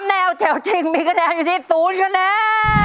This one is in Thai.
แนวแถวจริงมีคะแนนอยู่ที่๐คะแนน